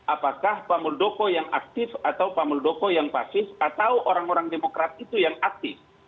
apakah pamuldoko yang aktif atau pamuldoko yang pasif atau orang orang demokrat itu yang aktif